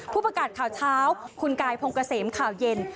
ผู้ประกาศข่าวเช้าคุณกายพงเกษมข่าวเย็น